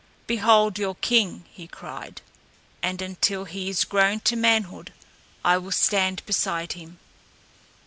"Behold your king," he cried, "and until he is grown to manhood I will stand beside him."